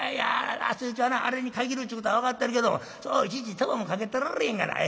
暑いうちはなあれに限るっちゅうことは分かってるけどもそういちいち手間もかけてられへんがな。